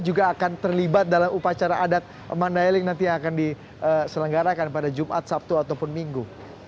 juga akan terlibat dalam upacara adat mandailing nanti yang akan diselenggarakan pada jumat sabtu ataupun minggu